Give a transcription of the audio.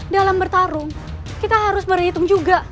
dalam bertarung kita harus berhitung juga